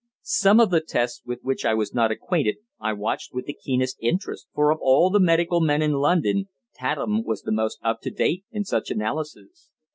Some of the tests with which I was not acquainted I watched with the keenest interest, for, of all the medical men in London, Tatham was the most up to date in such analyses.